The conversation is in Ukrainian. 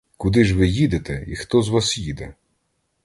Куди ж ви їдете і хто з вас їде?